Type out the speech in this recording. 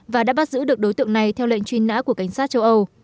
và đã bắt giữ được đối tượng này theo lệnh truy nã của cảnh sát châu âu